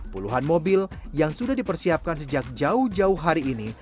puluhan mobil yang sudah dipersiapkan sejak jauh jauh hari ini